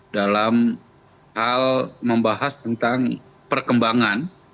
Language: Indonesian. dalam hal membahas tentang perkembangan